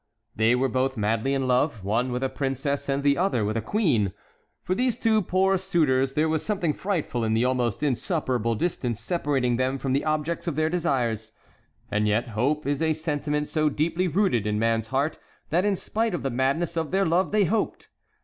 They were both madly in love—one with a princess and the other with a queen. For these two poor suitors there was something frightful in the almost insuperable distance separating them from the objects of their desires. And yet hope is a sentiment so deeply rooted in man's heart that in spite of the madness of their love they hoped!